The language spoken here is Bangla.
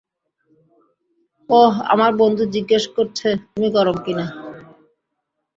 ওহ, আমার বন্ধু জিজ্ঞেস করছে তুমি গরম কিনা।